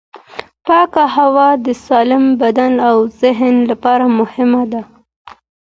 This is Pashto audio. پاکه هوا د سالم بدن او ذهن لپاره مهمه ده.